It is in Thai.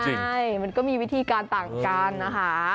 ใช่มันก็มีวิธีการต่างกันนะคะ